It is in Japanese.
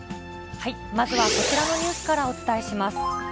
まずはこちらのニュースからお伝えします。